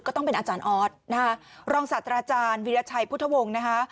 ก็ต้องเป็นอาจารย์ออสรองสัตว์อาจารย์วิทยาชัยพุทธวงศ์